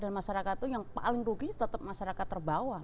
dan masyarakat itu yang paling rugi tetap masyarakat terbawah